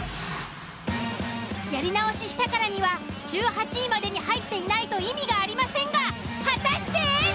やり直ししたからには１８位までに入っていないと意味がありませんが果たして？